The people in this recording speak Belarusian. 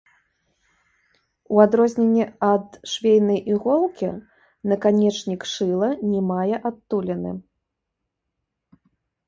У адрозненне ад швейнай іголкі, наканечнік шыла не мае адтуліны.